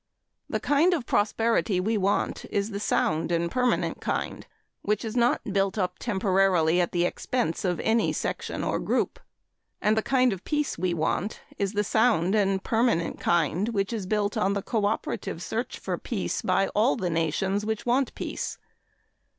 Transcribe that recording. The kind of prosperity we want is the sound and permanent kind which is not built up temporarily at the expense of any section or any group. And the kind of peace we want is the sound and permanent kind, which is built on the cooperative search for peace by all the nations which want peace.